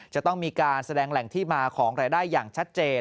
จะต้องมีการแสดงแหล่งที่มาของรายได้อย่างชัดเจน